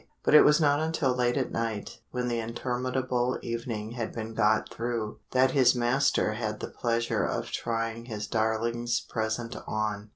But it was not until late at night, when the interminable evening had been got through, that his master had the pleasure of trying his darling's present on.